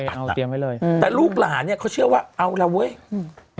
เอาล่ะเตรียมไว้เลยอืมแต่ลูกหลานเนี้ยเขาเชื่อว่าเอาล่ะเว้ยอืม